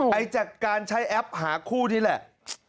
ไอ้จากการใช้แอปหาคู่นี่แหละ